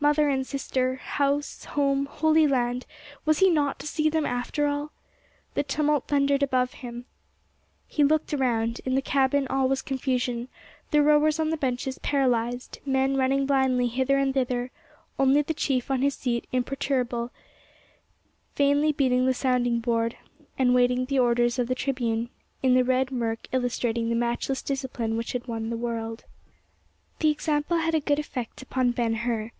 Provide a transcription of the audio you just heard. Mother and sister—house—home—Holy Land—was he not to see them, after all? The tumult thundered above him; he looked around; in the cabin all was confusion—the rowers on the benches paralyzed; men running blindly hither and thither; only the chief on his seat imperturbable, vainly beating the sounding board, and waiting the orders of the tribune—in the red murk illustrating the matchless discipline which had won the world. The example had a good effect upon Ben Hur.